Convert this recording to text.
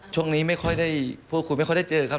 ช่วงนี้ไม่ค่อยได้พูดคุยไม่ค่อยได้เจอครับ